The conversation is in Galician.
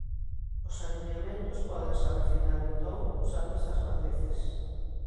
Os aliñamentos pódense refinar entón usando estas matrices.